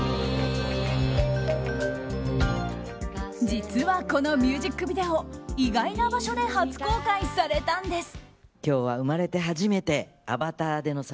実は、このミュージックビデオ意外な場所で初公開されたんです。